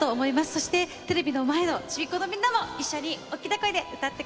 そしてテレビの前のちびっこのみんなも一緒に大きな声で歌って下さい。